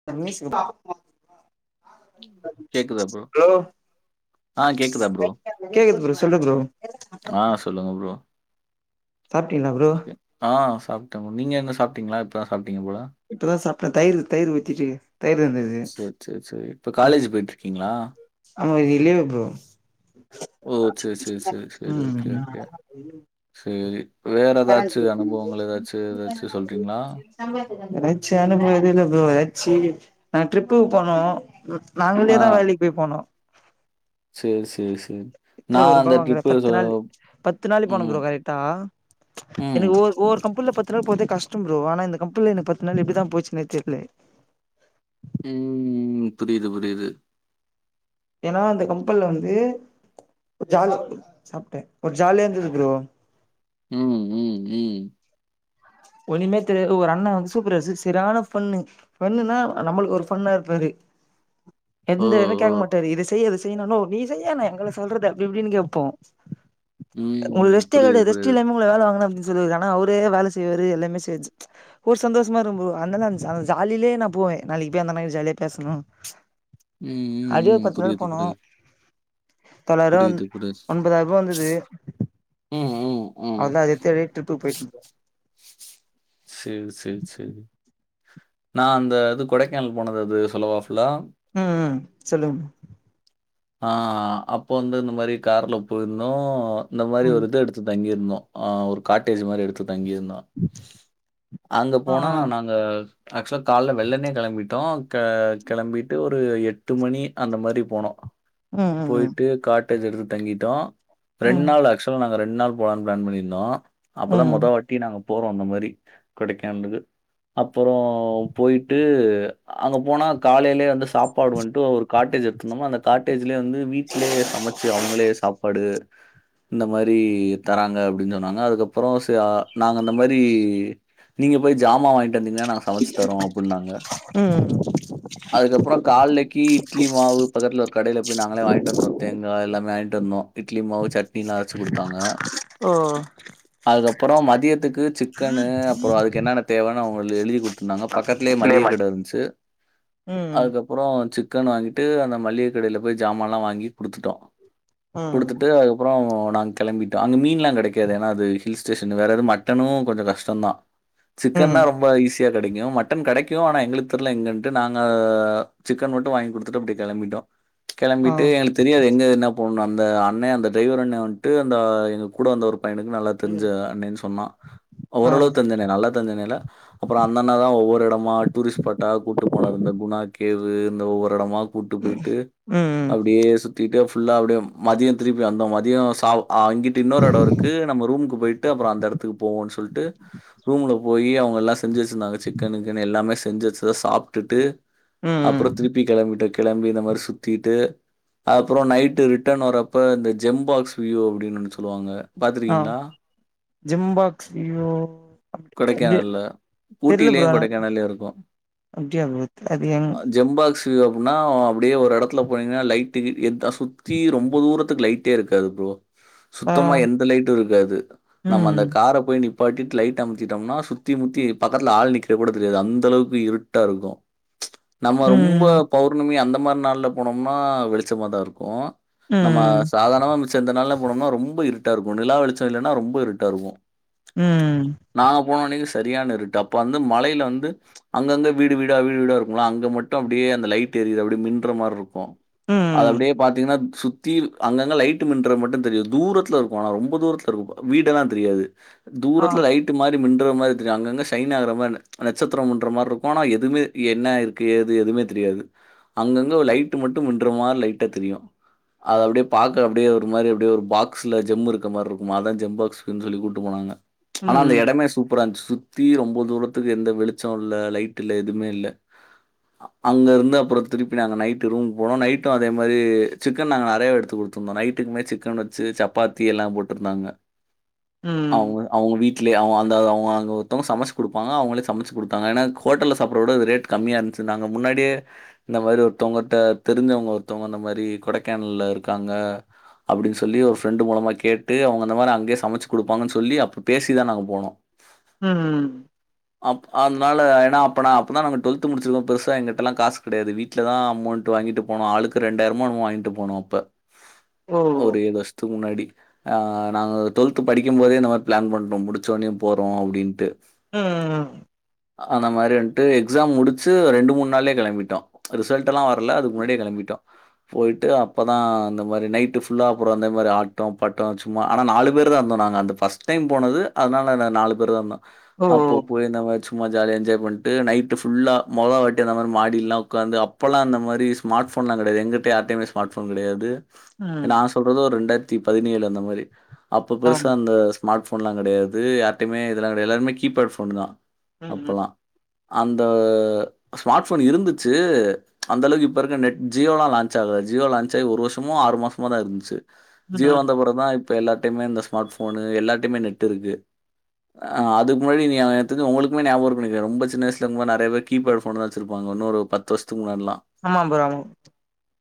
[inaudible] கேக்குதா ப்ரோ ஆ கேக்குதா ப்ரோ கேக்கது ப்ரோ சொல்லு ப்ரோ ஆ சொல்லுங்க ப்ரோ சாப்டிங்ளா ப்ரோ ஓகே. ஆ சாப்ட்டே நீ என்ன சாப்ட்டீங்களா இப்பதா சாப்ட்டீங்க போல இப்பதா சாப்ட்டே தயிர் தயிர் ஊத்திட்டு தயிர் இருந்தது சேர் சேர் சேரி இப்ப காலேஜ் போய்ட்டு இருக்கீங்ளா ஆமா இன்னைக்கு லீவு ப்ரோ ஓ செரி சரி சரி சரி ஓகே ம் ஓகே சேரி வேற ஏதாச்சு அனுபவங்கள் ஏதாச்சு ஏதாச்சு சொல்றீங்களா ஏதாச்சி அனுப்பும் எது இல்ல ப்ரோ ஏதாச்சி நா ட்ரிப்புக்கு போனோ நாங்களே தா வேலைக்கு பேய் போனோ சேர் சேர் சேரி இட்ல ஒர் ரூபா வாங்கல பத்து நாள் பத்து நாளு போனோ ம், ப்ரோ கரெக்டா எனக்கு ம், ஒ ஒவ்வொரு கம்பனில பத்து நாள் போறதே கஷ்டம் ப்ரோ ஆனா இந்த கம்பனில எனக்கு பத்து நாள் எப்டிதா போச்சுனே தெர்ல உம் புரியுது புரியுது ஏன்னா அந்த கம்பென் ல வந்து ஒரு ஜாலி சாப்ட்ட ஒரு ஜாலியா இருந்தது ப்ரோ உம் உம் உம் ஒன்னுமே தெரியாது ஒரு அண்ண வந்து சூப்பர்வேசர் சரியான ஃபான்னு ஃபாண்ணுனா நம்மளுக்கு ஒரு ஃபன்னா இருப்பாரு ஓ! எந்த எதுமே ஓ! கேக்க மாட் ட்டாரு இது செய் அது செய்யி நாளு நீ செய்யே நா எங்கள சொல்றது அப்டி இப்டின்னு கேப்போ உங்களுக்கு ம். ரெஸ்டே புரியுது, கெடயாது ரெஸ்ட் புரியுது. இல்லாம உங்கள வேல வாங்கனு அப்டின்னு சொல்லு வாரு ஆனா அவரே வேல செய்வாரு எல்லாமே செச் ஒரு சந்தோஷமா ருக்கு ப்ரோ அந்தாந்த ஜாலிலயே நா போவே நாளைக்கி போய் அந்த அண்ணாகிட்ட ஜாலியா பேசணு ம், அப்டியே ஒரு ம், ம். பத்து நாள் புரியுது, போனோ புரியுது. தொள்ளாயிருவா புரியுது, புரியுது. ஒன்பதாயி ருவா வந்தது ம், ம், ம். அத்தா அத தேடி ட்ரிப்பு போய்ட்டு வந்தொ சேல் சேல் சேல் நா அந்த இது கொடைக்கானல் போனது அது சொல்லவா ஃபுல்லா ம் ம் சொல்லுங்க ஆ அப்போ வந்து இந்த மாரி கார்ல போயிர்ந்தோ இந்த மாரி ம் ஒரு இது எடுத்து தங்கிர்ந்தோ ஆ ஒரு காட்டேஜ் மாரி எடுத்து தங்கியிருந்தோ அங்க ஆ போனா ஆ நாங்க ஆக்சுவலா கால்ல வெள்ளனே கெளம்பிட்டோ கெளம்பிட்டு ஒரு எட்டு மணி அந்த மாரி போனோ ம் ம் ம் போயிட்டு காட்டேஜ் எடுத்து தங்கிட்டோ ரெண் ம் நாள் அக்ச் மொதல்ல நாங்க ரெண் நாள் போலான்னு பிளான் பண்ணிருந்தோ அப்பதா மொத ம் வாட் ட்டி நாங்க போறோ இந்த மாரி கொடைக்கானலுக்கு அப்பறோ போயிட்டு அங்க போனா காலைலயே வந்து சாப்பாடு வந்துட்டு ஒரு காட்டேஜ் எடுத்துந்தமா அந்த காட்டேஜ் லயே வந்து வீடலயே சமச்சு அவங்களே சாப்பாடு இந்த மாரி தராங்க அப்டின்னு சொன்னாங்க அதுக்கப்பரோ ச நாங்க இந்த மாரி நீங்க போய் ஜாமா வாங்கிட்டு வந்தீங்னா நாங்க சமச்சு தாரோ அப்டின்னாங்க ம் ம் அதுக்கப்ரோ கால்லேக்கு இட்லி மாவு பக்கத்ல ஒரு கடைல நாங்களே வாங்கிட்டு வந்தோ தேங்கா எல்லாமே வாங்கிட்டு வந்தோ இட்லி மாவு சட்னி எல்லா அரச்சு கொடுத்தாங்க ஓ அதுக்கப்பரோ மதியத்துக்கு சிக்கனு அப்ரோ அதுக்கு என்னென்ன தேவன்னு அவங்களு எழுதி குடுத்துருந்தாங்க பக்கத்துலயே மளிக கட இருந்ச்சு ம்ம் அப்பரோ சிக்கன் வாங்கிட்டு அந்த மளிக கடையில போய் ஜாமால்லா வாங்கி குடுத்துட்டோ ம் குடுத்துட்டு அப்ரோ நாங்க கெளம்பிட்டோ அங்க மீன்லா கெடக்காது ஏன்னா அது ஹில் ஸ்டேஷன் வேற எது மட்டனு கொஞ்சோ கஷ்டந்தா ம் சிக்கன்னா ரொம்ப ஈஸி கெடைக்கு மட்டன் கெடைக்கு ஆனா எங்களுக்கு தெர்ல எங்களுக்கு எங்கன்ட்டு நாங்க சிக்கன் மட்டு வாங்கி் குடுத்துட்டு அப்டியே கெளம்பிட்டோ ஆ கெளம்பிட்டு எங்களுக்கு தெரியாது எங்க என்ன போணு அந்த அண்ணே அந்த டிரைவர் அண்ணே வன்ட்டு அந்த எங்க கூட வந்த ஒரு பையனுக்கு நல்லா தெரிஞ்ச அண்ணேன் சொன்னா ஆ ஓரளவு தெரிஞ்ச அண்ணே நல்லா தெரிஞ்ச அண்ணேல்ல அப்ரோ அந்த அண்ணா தா ஒவ்வொரு எடமா டூரிஸ்ட் ஸ்பாட்டா கூட்டு போனாரு இந்த குணா கேவு இந்த ஒவ்வொர் எடமா கூட்டு போய்ட்டு ம் ம் அப்டியே சுத்திட்டு ஃபுல்லா அப்டியே மதியோ திருப்பி வந்தோ மதியோ சா ஆ இங்கிட்டு இன்னொரு எடோ இருக்கு நம்ம ரூமுக்கு போயிட்டு அப்ரோ அந்த எடத்துக்கு போவோனு சொல்ட்டு ரூம்ல போயி அவங்கல்லா செஞ்சி வச்சிருந்தாங்க சிக்கன் கிக்கன் எல்லாமே செஞ்சி வச்சத சாப்டுட்டு ம் ம் அப்றோ திருப்பி கெளம்பிட்டொ கெளம்பி இந்தமாரி சு தீட்டு அப்றோ நைட்டு ரிட்டன் வரப்ப இந்த ஜெம்பாக்ஸ் வியூ அப்டின் ஒன்னு சொல்லுவாங்க பாத்துருக்கீங்ளா ஜெம்பாக்ஸ் விய்வோ கொடைக்கானல்ல ஊட்டிலயு ப்ரோ கொடைக்கானல்லயு இருக்கு அப்டியா ப்ரோ தெர்லங் ட்டு எப்புன்னா அப்டியே ஒரு எடத்துல போனீங்கன்னா லைட்டு எத சுத்தி ரொம்ப தூரத்துக்கு லைட்டே இருக்காது ப்ரோ ஆ சுத்தமா எந்த லைட்டு இருக்காது நம்ம ம் அந்த கார போய் நிப்பாட்டிட் லைட் ட அமத்திட்டோம்னா சுத்தி முத்தி பக்கத்துல ஆள் நிக்றது கூட தெரியாது அந்த அளவுக்கு இருட்டாருக்கு நம்ம ரொம்ப ம் பௌர்ணமி அந்த மாரி நாள்ல போனோம்னா வெளிச்சமாதாருக்கு நம்ம ம் சாதாரணமா மிச்ச இந்த நாள்ல போனோம்னா ரொம்ப இருட்டா இருக்கு நிலா வெளிச்சோ இல்லன்னா ரொம்ப இருட்டாருக்கு ம் ம் நாங்க போன அன்னைக்கு சரியான இருட்டு அப்போ வந்து மலையில வந்து அங்கங்க வீடு வீடா வீடு வீடா இருக்குல அங்க மட்டு அப்டியே அந்த லைட் எரியுற அப்டியே மின்ற மாரி இருக்கு அது ம் அப்டியே பாத்தீங்கன்னா சுத் தி அங்க அங்க லைட் மின்றது மட்டு தெரியு தூரத்துல இருக்கு ஆனா ரொம்ப தூரத்துல இருக்கு வீடுல்லா தெரியாது ஆ தூரத்ல்ல லைட்டு மாரி மின்ற மாரி தெரியு அங்க அங்க ஷைன் ஆகுற மாரி நட்சத்ரோ மின்ற மாரிருக்கு ஆனா எதுவுமே என்ன இருக்கு எது எதுமே தெரியாது அங்கங்க லைட் மட்டு மின்ற மாதிரி லைட்டா தெரியு அத அப்டியே பாக்க அப்டியே ஒரு மாரி அப்டியே ஒரு பாக்ஸ்ல ஜெம் இருக்கமாரி இருக்குமா அதா ஜெம்பாக்ஸ்ன் சொல்லி கூட்டு போனாங்க ஆனா அந்த ம் எடமே சூப்பரா இருந்ச்சு சுத் தி ரொம்ப தூரத்துக்கு எந்த வெளிச்சோ இல்ல லைட் இல்ல எதுமே இல்ல அங்க இருந்து அப்றோ திருப்பி நாங்க நைட்டு ரூம் போனோ நைட்டு அதே மாரி சிக்கன் நாங்க நறையவே எடுத்து குடு த்துருந்தோ நைட்டுக்குமே சிக்கன் வச்சு சப்பாத்தி எல்லா போட்டுருந்தாங்க ம் அவுங்கள் அவுங்க வீட் லே அவ அந்த அவுங்க அங்க ஒருத்தோங்க சமச் குடுப்பாங்க அவுங்களே சமச்சு குடுத்தாங்க ஏனா இது ஹோட்டல சாப்புற விட இது ரேட் கம்மியா இருந்ச்சுனாங்க முன்னாடியே இந்த மாரி ஒருத்தோங்கட்ட தெரிஞ்சவங்க ஒருத்தோங்க இந்த மாரி கொடைக்கானல்லே இருக்காங்க அப்டின் சொல்லி ஒரு ஃப்ரெண்டு மூலமா கேட்டு அவுங்க அந்த மாரி நா அங்கேயே சமச்சு குடுப்பாங்கன் சொல்லி அப்றோ பேசி தா நாங்க போனோ ம் ம் அப் அதுனால ஏனா அப்பனா அப்பதா நாங்க டுவெல்த் முடிச்சிருக்கோ பெருசா எங்கிட்டல்லா காச் கெடயாது வீட் லதா அமௌண்ட் வாங்கிட்டு போனோ ஆளுக்கு ரெண்டாயிரமோ என்னமோ வாங்கிட்டு போனோ அப்ப ஓ ஓ ஏழு வருஷ்த்க்கு முன்னாடி அ நாங்க டுவெல்த் படிக்கு போதே இந்ந மாரி பிளான் பண் ட்டோ முடிச்சோனே போறோ அப்டின்ட்டு ஆ ஆ அந்த மாரி வண்ட்டு எக்ஸா முடிச்சு ரெண்டு மூன் நாள்லே கெளம்பிட்டோ ரிசல்ட் எல்லா வர்ல அதுக்கு முன்னாடியே கெளம்பிட்டோ [unintelligible] போயிட்டு அப்போதா இந்த மாரி நைட்டு ஃபுல்லா அப்றோ இந்த மாரி ஆட்டோ பாட்டோ சும்மா ஆனா நாலு பேரு தா இந்தோ நாங்க அந்த ஃபர்ஸ்ட் டைம் போனது அதனால நா நாலு பேர் தா இருந்தோ ஓ அப்போ போய் என்னமாச் சும்மா ஜாலியா என்ஜாய் பண்ட்டு நைட்டு ஃபுல்லா மொத வாட்டி அந்தமாரி மாடில்லா உக்காந்து அப் போலா அந்த மாரி ஸ்மார்ட்ஃபோன்லா கெடயாது எங்கிட்ட யார்ட்டயுமே ஸ்மார்ட் ஃபோன் கெடயாது ம் நா சொல்றது ஒரு ரெண்டாயிரத்தி பதினேழு அந்த மாரி அப்போ ஆம் பெருசா அந்த ஸ்மார்ட் ஃபோன்லா கெடயா து யார்டேமே இதெல்லா கெடயாது எல்லாருமே கீபேட் ஃபோன் தா ம் அப்போலா அந்த ஸ்மார்ட்ஃபோன் இருந்துச்சு அந்தளவுக்கு இப்ப இருக்க நெட் ஜியோலா லான்ச் ஆகல ஜியோ லான்ச் ஆகி ஒரு வருஷமா ஆறு மாசமோதா இருந்ச்சு ம் ஜியோ ம் வந்த அப்பறந்தா இப்ப எல்லார்டையுமே இந்த ஸ்மார்ட் போனு எல்லார்டையுமே நெட் இருக்கு ஆ அதுக் முன்னாடி நீ எனக்தெரிஞ்சு உங்களுக்குமே நியாபகம் இருக்கும்னு நெனைக்கிறே ரொம்ப சின்ன வயசுல இருக்கும் போது நெறைய பேர் கீபேட் போனு தா வச்சிருப்பாங்க இன்னொரு பத் து வருசஷத்துக்கு முன்னாட்லா ஆமா ப்ரோ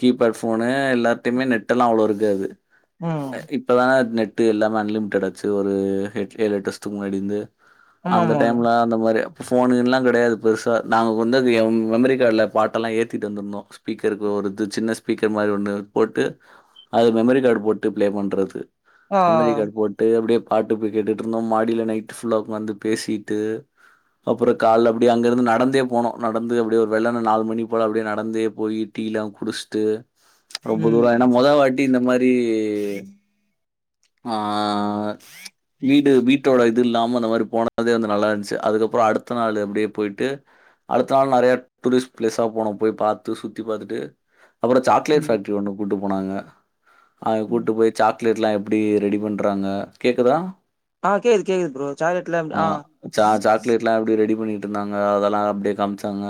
கீபேட் போனு எல்லார்டையுமே நெட் எல்லா அவ்வளோ இருக்காது ம் இப்பலா நெட் டு எல்லாமே அன்லிமிடட் ஆச்சு ஒரு ஹெட் ஏழு எட்டு வருஷத்க்கு முன்னாடிர்ந்து ஆமா அந்த ஆமா ஆமா டைம்ல அந்த மாரி ஃபோனு கீனுலா கெடையாது பெருசா நாங்க கொண்டு வந்து எம் மெமரி கார்டில பாட்டெல்லா ஏத்திட்டு வந்துருந்தோ ஸ்பீக்கருக்கு ஒருது சின்ன ஸ்பீக்கர் மாரி ஒன்னு போட்டு அது மெமரி கார்டு போட்டு பிளே பண்றது ஆ மெமரி கார்டு போட்டு அப்பிடியே பாட்டு போய் கேட்டுட்டு இருந்தோ மாடியில நைட்டு புஃல்லா உக்காந்து பேசிட்டு அப்புற கால்ல அப்டியே அங்க இருந்து நடந்தே போனோ நடந்து அப்டியே ஒரு வெள்ளான்னா நாலு மணி போல அப்டியே நடந்தே போயி டீலா குடிச்சுட்டு ரொம்ப தூரோ ம் என்ன மொதவாட்டி இந்த மாரி ஆ வீடு வீட்டோட இது இல்லாம அந்த மாரி போனதே வந்து நல்லா இருந்துச்சு அதுக்கப்புற அடுத்த நாளு அப்பிடியே போய்ட்டு அடுத்த நாள் நறையா டூரிஸ்ட் ப்ளேஸா போனோ போய் பாத்து சுத்தி பாத்துட்டு அப்புறோ சாக்லேட் ம் பேக்டரி ஒன்று கூட்டு போனாங்க அங்க கூட்டு போய் சாக் லேட்லா எப்பிடி ரெடி பண்றாங்க கேக்குதா ஆ கேது கேக்குது ப்ரோ சாக்லேட்லா எப்டி ஆ சா சாக்லேட்லாம் ரெடி பண்ணிட்டு இருந்தாங்க அதெல்லா அப்டியே காம்ச்சாங்க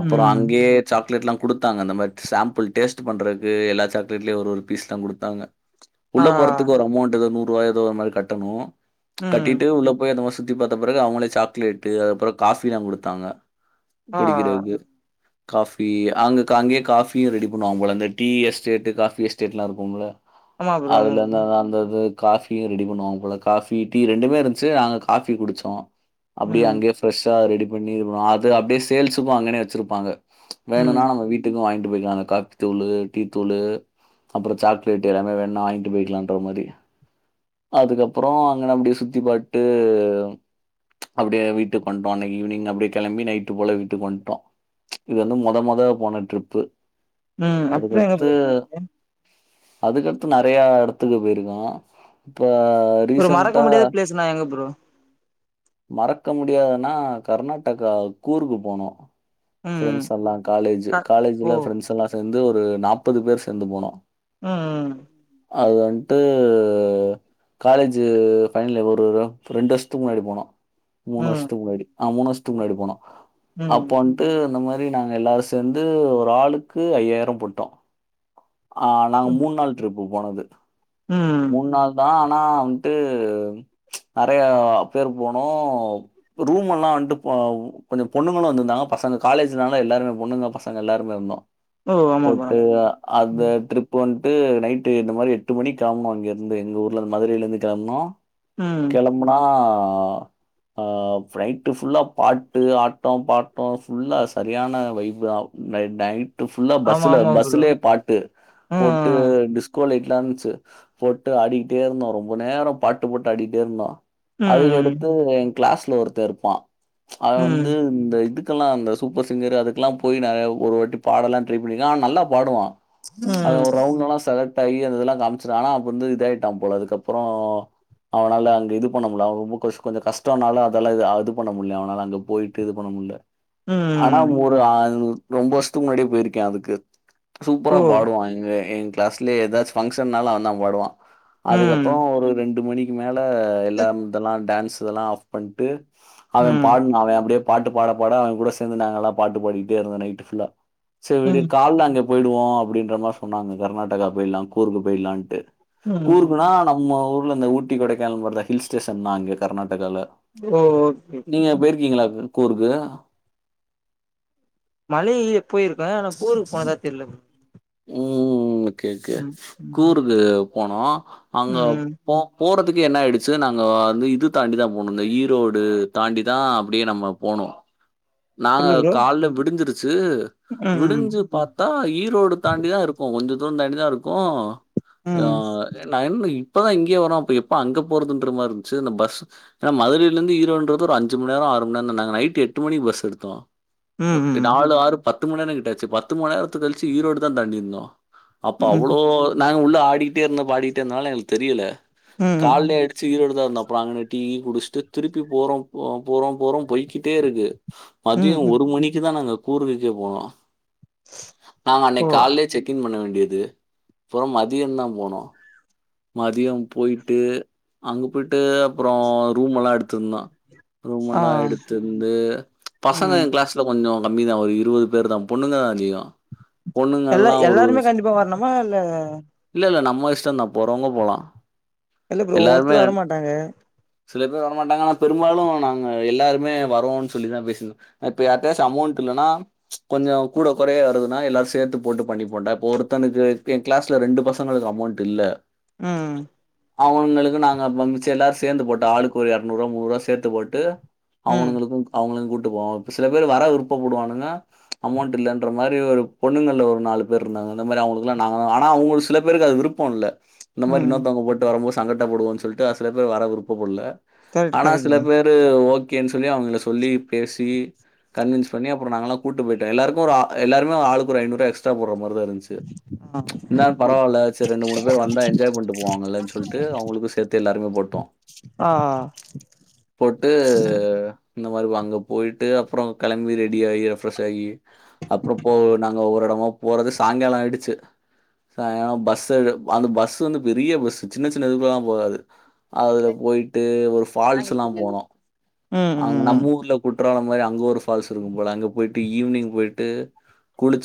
அப்புறோ ம் அங்கேயே சாக்லேட்லா குடுத்தாங்க அந்த மாரி சாம்பிள் டேஸ்ட் பண்றக்கு எல்லா சாக்லட்லையும் ஒரு பீஸ் எல்லா குடுத்தாங்க ஆ உள்ள போறதுக்கு ஒரு அமௌண்ட் எதோ நூறு ரூபா எதோ ஒரு மாதிரி கட்டணு ம் கட்டிட்டு உள்ள போய் அந்த மாசொ சுத்தி பாத்த பெறகு அவுங்களே சாக்லேட்டு அப்பறொ காபில்லா கொடுத்தாங்க ஆ குடிக்கிறதுக்கு காஃபி ஆங்கு அங்கேயே காஃபியு ரெடி பண்ணுவாங்க போல அந்த டீ எஸ்டேட்டு காஃபி எஸ்டேட்லா இருக்கும்ல ஆமா ப்ரோ ஆமா அதுல அந்தா ப்ரோ அந்தது காஃபியு ரெடி பண்ணுவாங்க போல காஃபி டீ ரெண்டுமே இருந்துச்சு நாங்க காபி குடிச்சோ அப்டிய ம் அங்கேயே ஃப்ரெஷா ரெடி பண்ணிருவோ அது அப்டியே சேல்ஸ்சுக்கு அங்கனே வச்சிருப்பாங்க வேணும்னா ம் நம்ம வீட் டுக்கும் வாங்கிட்டு போய்க்கலா அந்த காப்பி தூளு டீத்தூளு அப்புற சாக்லேட்டு என்ன வேண்ணா வாங்ட்டு போய்க்கலான்ற மாதிரி அதுக்கப் அப்புறொ அங்கன அப்டியே சுத்தி பாத்ட்டு அப்டியே வீட்டுக் வண்டோ அன்னைக்கு ஈவினிங் அப்டியே கெளம்பி நைட்டு போல வீட்டுக்கு வண்டோ இது வந்து மொத மொத போன ட்ரிப்பு ம் அப்டிலா எங்க அதுக்கத்து ப்ரோ போயிருக்கீங்க அதுக்கடுத்து நறையா எடத்துக்கு போயிருக்கோ இப்ப ஒரு மறக்க ரீசென்ட்டா முடியாத பிளேஸ்ன்னா எங்க ஃப்ரோ மறக்க முடியாதுன்னா கர்நாடகா கூருக்கு போனோ ம் ஃபிரெண்ட்ஸ் எல்லா காலேஜூ அ ஓ காலேஜ்ல ஃபிரெண்ட்ஸ் எல்லா சேந்து ஒரு நாப்பது பேர் சேந்து போனோ ம்ம் அது வந்த்ட்டு காலேஜூ ஃபைனலியர் ஒரு ரெண்டு வருஷத்துக்கு முன்னாடி போனோ மூனு ம் வருஷத்துக்கு முன்னாடி ஆ மூனு வருஷத்துக்கு முன்னாடி போனோ அப்ப ம் வந் ட்டு இந்த மாரி நாங்க எல்லாரு சேந்து ஒரு ஆளுக்கு ஐயாயிரம் போட்டோம் ஆ நாங்க ம் மூன் நாள் ட்ரிப்பு போனது ம் மூண் நாள் தா ஆனா வந்ட்டு எம் நறையா பேர் போனோம் ரூம் எல்லாம் வந்ட்டு பவ் கொஞ்சு பொண்ணுங்குளு வந்துந்தாங்க பசங்க காலேஜ்னால எல்லாருமே பொண்ணுங்க பஸ் நாங்க எல்லாருமே இர்ந்தோ ஓ ஆமா ப்ரோ போட்டு ஆமா ஆ அத்த ம் ட்ரிப் போ வந்ட்டு நைட்டு இந்த மாரி எட்டு மணி கெளம்புனோ இங்கிர்ந்து எங்க ஊர்ல இருந் மதுரைய்ல இந்து கெளம்னோ ம் முணா ஆ ஃப்லைட்டு ஃபுல்லா பாட்டு ஆட்டோ பாட்டோ ஃபுல்லா சரியான வைபுனாவ் நைட் டை ட்டு ஃபுல்லா ஆமா பஸ்ஸுல ஆமா ப்ரோ பஸ்ஸுலே பாட்டு போட்டு ம் டிஸ்கோ லைட்லா இருந்ச்சு போட்டு ஆடிட்டே இருந்தோ ரொம்ப நேரோ பாட்டு போட்டு அடிட்டே இருந்தோ ம் அதுக்கடுத்து எங் க்ளாஸ்ல ஒருத்த இருப்பா அவெ ம் வந்து இந்த இதுக் க்குல்லாம் அந்த சூப்பர் சிங்கரு அதுக்லா போய் நாயவ் ஒரு வாட்டி பாடலா ட்ரை பண்ணிக்கா ஆ நல்லா பாடுவா அத ஒ ம் ரவ்ண்ணல்லா செலட் ஆயி அந்த இதெல்லா காமிச்சுனா ஆனா அப்புந்து இதாய்ட்டான் போல அதுக்கப்பறோ அவ்னால அங்க இது பண்ண முல்ல அவ் உம்மு கொஸ் கொஞ்சு கஸ்டோனால அதல்லா இது அது பண்ண முட்லா அவனால அங்க போய்ட்டு இது பண்ண முல்ல ஆனா ம் மொரு ஆய்னு ரொம்பஷ்த்துக்கு முன்னாடியே போய்ருக்கே அதுக்கு சூப்பரா ஓ பாடுவா எங்க எ க்ளாஸ்லே ஏதாச் ஃபங்க்ஷன்னால் அன் தா பாடுவா ம் அதுக்கப்போ ஒரு ரெண்டு மணிக்கு மேல எல்லாம் தெல்லா டான்ஸ் இதெல்லா ஆஃப் பண்ட்டு அவன் ம் பாட்னா அவெ அப்டே பாட்டு பாட பாட அவன் கூட சேந்து நாங்கலா பாட்டு பாடிட்டே இருந்தோ நைட்டு ஃபுல்லா சே விடு ம் கால்ல அங்கப் போய்டுவோ அப்டின்ற மா சொன்னாங்க கர்நாடகா போயிலா கூருக்கு போயிலான்ட்டு ம் கூருக்குனா நம்ம ஊர்ல இந்த ஊட்டி கொடைக்கானல் வருல ஹில் ஸ்டேஷன் தா அங்க கர்நாட்டக்கால ஓ ஓகே நீங்க போய்ர்க்கீங்ளாக்கு கூருக்கு மழையிலே போய்ருக்கே ஆனா கூருக் போனதா தெர்ல ப்ரு ம்ம்ம் கே கே ம் ம் கூருக்கு போனோ ம் அங்கப் ம் போ போறதுக்கு என்ன ஆய்டுச்சு நாங்கோ அந்து இது தாண்டிதா போணு இந்ந ஈரோடு தாண்டி தா அப்டியே நம்ம போனு நாங்க சொல்லு ப்ரோ கால்ல விடிஞ்சிருச்சு ம் விடிஞ்சு பாத் தா ஈரோடு தாண்டி தா இருக்கு கொஞ்ச தூன் தாண்டி தா இருக்கு ம் யாஅ நா என்னு இப்பதா இங்யே வரு அப்பு எப்ப அங்க போரதுன்ற மாரி‌ந்ச்சு இந்த பஸ்ஸு நா மதுரைய்ல இந்து ஈரோடுன்றது ஒரு அஞ்சி மண் நேரோ ஆறு மண் நன்ன நைட்டு எட்டு மணி பஸ் எடுத்தோ ம் ம் ஒர் ம் டாலு ஆறு பத்து மணி நே கிட்டாச்சு பத்து மோ நேரத்து கழ்ச்சி ஈரோடு தா தாண்டிர்ந்தோ அப்ப ம் அவ்ளோ நாங்க உள்ள ஆடிட்டே இருந்தோ பாடிட்டே எந்த்னால எங்கள் தெரியல ம் கால்லேடு சீ ஈரோடுதா இருந்தோ அப்றாங்குன டீ குடிச்ட்டு திருப்பி போறோ போ போறோ போறோ போய்கிட்டே இருக்கு மதியோ ம் ம் ஒரு மணிக்குதா நாங்க கூர்விக்கே போனோ நாங்க ஓ அன்னைக் கால்லே செக்கின் பண்ண வேண்டியது புறோ மதியன்தா போனு மதியம் போய்ட்டு அங்க போய்ட்டு அப்புறோ ரூம் எல்லா எடுத்துருந்னா ரூம் ஆ எல்லாம் எடுத்துருந்து பசங்க ம் எ க்ளாஸு கொஞ்சோ கம்மி தா ஒரு இருவது பேரு தா பொண்ணுங்க அதிகோ எல்லாய் எல்லாருமே கண்டிப்பா வர்ணுமா இல்ல இல்லல்ல நம்ம இஷ்டன்தா போறவ்ங்க போலா இல்ல ப்ரோ ஒர்த்தரு வரமாட்டாங்க சில பேர் வரமாட்டாங்க ஆனா பெரும்பாலு நாங்க எல்லாருமே வரோன் சொல்லி தா பேசிந்தோ அ இப்ப யார்ட்டாச்சு அமோண்ட் இல்லனா கொஞ்சோ கூட குறைய வருதுன்னா எல்லார் சேத்து போட்டு பண்ணி போட்டா இப்ப ஒருத்தனுக்கு எக் கிளாஸ்ல ரெண்டு பசங்களுக்கு அமௌண்ட்டு இல்ல ம் ம் அவுங்களுக்கு நாங்க பம்ச்சு எல்லாரு சேந்து போட்டோ ஆளுக்கு ஒரு எரநூறுவா முன்னுரூவா சேத்து போட்டு ம் அவுனுங்குளுக்கும் அவுங்களையு கூட்டு போவோ இப்ப சில பேர் வர விருப்பப்படுவானுங்க அமௌண்ட்டு இல்லன்ற மாரி ஒரு பொண்ணுங்கள்ல ஒரு நாலு பேரு ருந்தாங்க இந்த மாரி அவுங்குளுக்குலா நாங்கதா ஆனா அவுங்குள் சில பேருக்கு அது விருப் ப்போ இல்ல இந்த மாரி ம் இன்னொருத்தவுங்க போட்டு வரும்போ சங்கட்டப் படுவோன் சொல்ட்டு சில பேரு வர விருப்பப் பல்ல கரெக்ட் ஆனா கரெக்ட் சில ப்ரோ பேரு ஓகேன் சொல்லி அவுங்கள சொல்லி பேசி கன்வின்ஸ் பண்ணி அப்றோ நாங்களாக் கூட்டு போயிட்ட எல்லாருக்கு ஒரு ஆ எல்லாருமே ஆளுக்கு ஒரு ஐநூறுவா எக்ஸ்டா போர்ற மாருதா இருந்துச் சு ஆ இந்தாலும் பரவால்ல சேர் ரெண்டு மூனு பேர் வந்தா என் ட்டு போவாங்கல்லன் சொல்ட்டு அவுங்குளுக்கு சேத்து எல்லாருமே போட்டோ ஆ போட்டு இந்த மாரிபோ அங்க போயிட்டு அப்றோ கெளம்பி ரெடி ஆயி ரெஃப்ரெஷ் ஆயி அப்றோ போ நாங்க ஒவ்வொரு எடமா போறது சாய்ங்காலோ ஆயிடுச்சு சாயங்காலோ பஸ் எடு அந்த பஸ்சு வந்து பெரிய பஸ்சு சின்ன சின்ன இதுபுலாம் போகாது அதுல போயிட்டு ஒரு ஃபால்ஸுல்லாம் போனோ ம் அங்க ம் ம் நம்ம ஊர்லப் குற்றாலம் மாரி அங்க ஒரு ஃபால்ஸ் இருக்கும் போல அங்க போயிட்டு ஈவினிங் போயிட்டு குளிச்